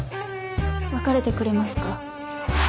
別れてくれますか？